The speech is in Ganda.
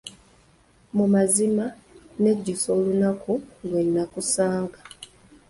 Mu mazima nnejjusa olunaku lwe nnakusanga.